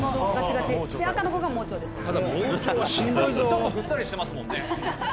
「ちょっとグッタリしてますもんね」